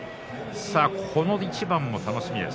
この一番も楽しみです。